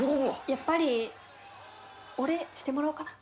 やっぱりお礼してもらおうかな。